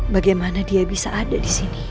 bagaimana dia bisa ada disini